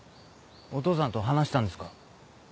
お義父さんと話したんですか？